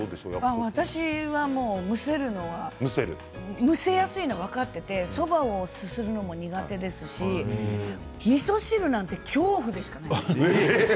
私はむせるのは、むせやすいのは分かっていてそばをすするのも苦手ですしみそ汁なんて恐怖でしかない。